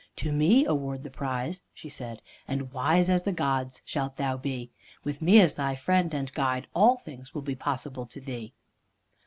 "To me award the prize," she said, "and wise as the gods shalt thou be. With me as thy friend and guide, all things will be possible to thee."